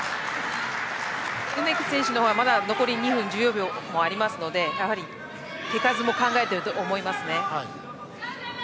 梅木選手の方はまだ残り２分１４秒ありますのでやはり、手数も考えていると思います。